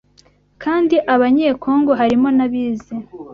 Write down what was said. kandi abanye-Congo harimo n’abize,